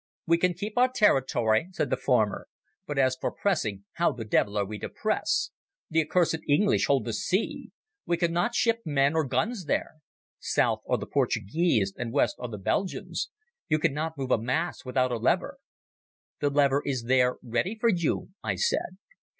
"We can keep our territory," said the former; "but as for pressing, how the devil are we to press? The accursed English hold the sea. We cannot ship men or guns there. South are the Portuguese and west the Belgians. You cannot move a mass without a lever." "The lever is there, ready for you," I said.